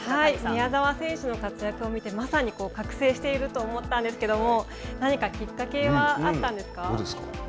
宮澤選手の活躍を見て、まさに覚醒していると思ったんですけれども、何かきっかけはあったんですか。